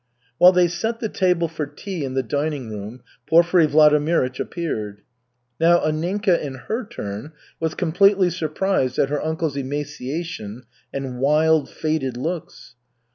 While they set the table for tea in the dining room Porfiry Vladimirych appeared. Now Anninka in her turn was completely surprised at her uncle's emaciation and wild, faded looks.